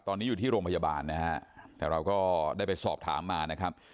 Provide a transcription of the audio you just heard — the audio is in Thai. ตอนนี้อยู่ที่โรงพยาบาลนะฮะแต่เราก็ได้ไปสอบถามมานะครับ